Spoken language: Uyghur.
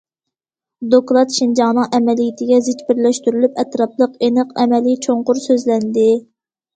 دوكلات شىنجاڭنىڭ ئەمەلىيىتىگە زىچ بىرلەشتۈرۈلۈپ، ئەتراپلىق، ئېنىق، ئەمەلىي، چوڭقۇر سۆزلەندى.